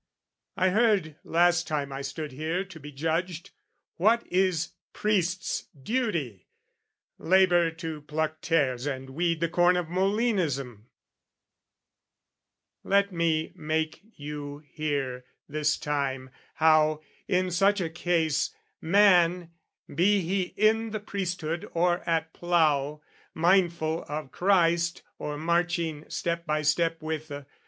I heard, last time I stood here to be judged, What is priest's duty, labour to pluck tares And weed the corn of Molinism; let me Make you hear, this time, how, in such a case, Man, be he in the priesthood or at plough, Mindful of Christ or marching step by step With...